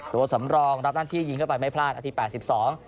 ตัวสำรองรับหน้าที่ยิงเข้าไปไม่พลาดอาทิตย์๘๒